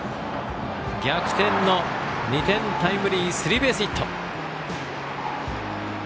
逆転の２点タイムリースリーベースヒット。